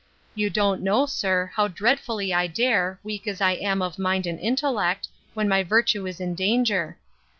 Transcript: You don't know, sir, how dreadfully I dare, weak as I am of mind and intellect, when my virtue is in danger.